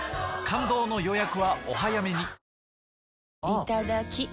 いただきっ！